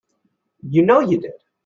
You know you did.